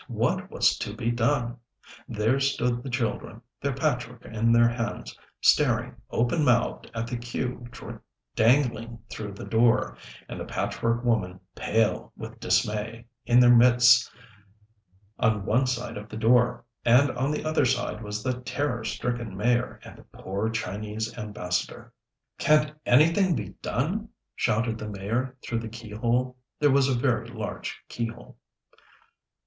What was to be done? There stood the children, their patchwork in their hands, staring, open mouthed, at the queue dangling through the door, and the Patchwork Woman pale with dismay, in their midst, on one side of the door, and on the other side was the terror stricken Mayor, and the poor Chinese Ambassador. "Can't anything be done?" shouted the Mayor through the keyhole there was a very large keyhole.